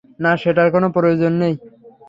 না, সেটার কোন প্রয়োজন নেই।